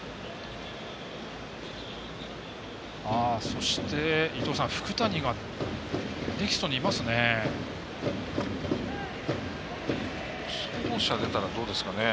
そして、福谷がネクストにいますね。